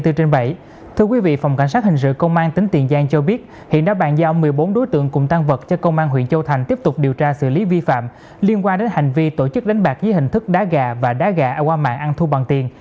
tiến hành kiểm tra phát hiện và bắt quả tại một nhóm đối tượng đang tổ chức đánh bạc dưới hình thức đá gà và đá gà qua mạng ăn thu bằng tiền